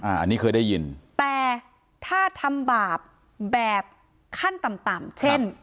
อันนี้เคยได้ยินแต่ถ้าทำบาปแบบขั้นต่ำต่ำเช่น